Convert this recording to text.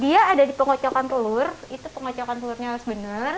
dia ada di pengocokan telur itu pengocokan telurnya harus benar